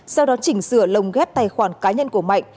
sau đó chỉnh sửa lồng ghép tài khoản cá nhân của mạnh